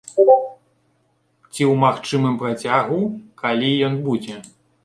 Ці ў магчымым працягу, калі ён будзе.